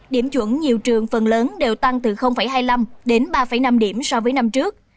điểm chuẩn nhiều trường phần lớn đều tăng từ hai mươi năm đến ba năm điểm so với năm trước